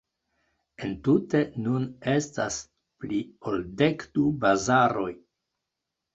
Entute nun estas pli ol dekdu bazaroj.